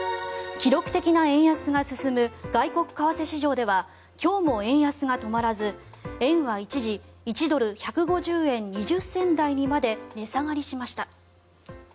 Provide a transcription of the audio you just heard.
記録的な円安が進む外国為替市場では今日も円安が止まらず、円は一時１ドル＝１５０円２０銭台にまで値下がりしました。